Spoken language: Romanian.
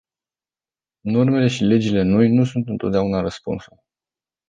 Normele și legile noi nu sunt întotdeauna răspunsul.